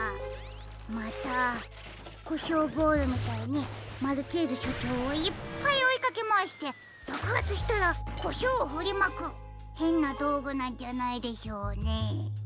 またコショウボールみたいにマルチーズしょうちょうをいっぱいおいかけまわしてばくはつしたらコショウをふりまくへんなどうぐなんじゃないでしょうねえ。